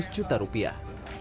empat ratus juta rupiah